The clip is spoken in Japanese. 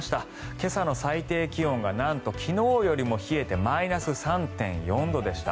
今朝の最低気温がなんと昨日よりも冷えてマイナス３．４度でした。